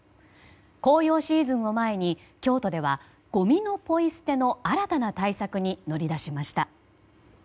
紅葉シーズンを前に京都ではごみのポイ捨ての新たな対策に乗り出しました。